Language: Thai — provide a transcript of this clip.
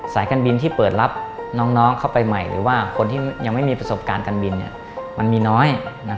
การบินที่เปิดรับน้องเข้าไปใหม่หรือว่าคนที่ยังไม่มีประสบการณ์การบินมันมีน้อย